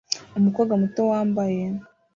Umukobwa muto wambaye